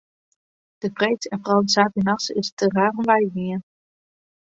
De freeds en foaral de saterdeitenachts is it der raar om wei gien.